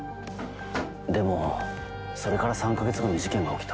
でもそれから３か月後に事件は起きた。